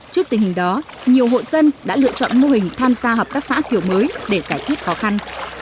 trước tình hình đó nhiều hộ dân đã lựa chọn mô hình tham gia hợp tác xã kiểu mới để giải quyết khó khăn